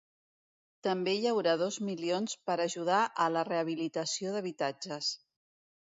També hi haurà dos milions per ajudar a la rehabilitació d’habitatges.